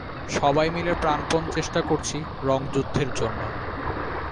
সবাই মিলে প্রাণপণ চেষ্টা করছি রঙ যুদ্ধের জন্য!